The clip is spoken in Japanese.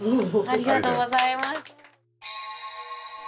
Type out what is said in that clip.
ありがとうございます。